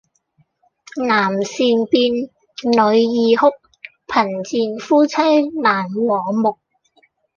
男善變，女易哭，貧賤夫妻難和睦